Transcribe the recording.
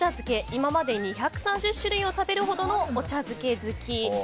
今までに２３０種類を食べるほどのお茶漬け好きと。